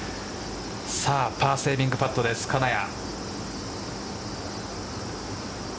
パーセービングパットです、金谷。